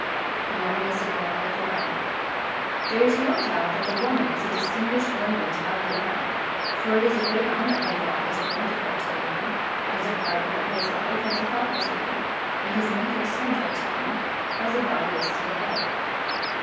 The woman is the glory of the man. There is no doubt that the woman is a distinguished ornament of the man ; for it is a great honour that God has appointed her to the man as the partner of his life, and a helper to him,^ and has made her subject to him as the body is to the head.